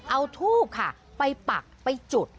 เอาทูบค่ะไปปักไปจุด